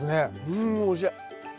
うんおいしい！